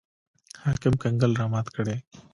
حاکم کنګل رامات کړي.